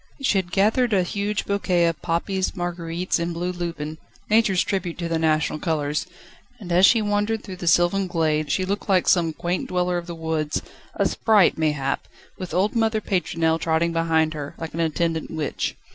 She had gathered a huge bouquet of poppies, marguerites and blue lupin Nature's tribute to the national colours and as she wandered through the sylvan glades she looked like some quaint dweller of the woods a sprite, mayhap with old mother Pétronelle trotting behind her, like an attendant witch.